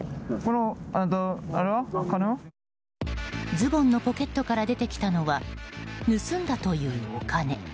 ズボンのポケットから出てきたのは盗んだというお金。